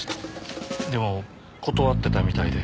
でも断ってたみたいで。